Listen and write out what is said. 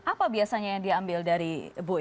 apa biasanya yang diambil dari buy